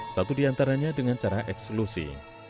satu diantaranya dengan cara eksklusi